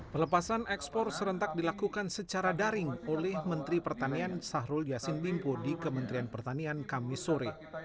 pelepasan ekspor serentak dilakukan secara daring oleh menteri pertanian sahrul yassin limpo di kementerian pertanian kamisore